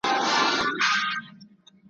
که له موجونو ډارېدلای غېږ ته نه درتلمه `